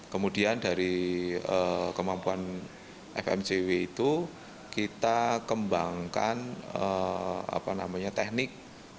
kemudian dari kemampuan fmcw itu kita kembangkan teknik